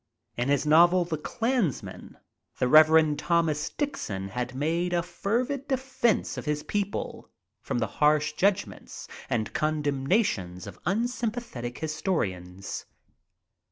In his novel "The Clansman," the Rev. Thomas Dixon had made a fervid defence of his people from the harsh judgments and condemnations of unsympathetic historians.